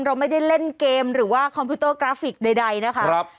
เราไม่ได้เล่นเกมหรือว่าคอมพิวเตอร์กราฟิกใดนะคะ